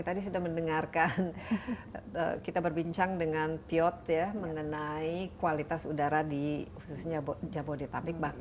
tadi sudah mendengarkan kita berbincang dengan piot ya mengenai kualitas udara di khususnya jabodetabek